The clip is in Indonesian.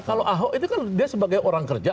kalau ahok itu kan dia sebagai orang kerja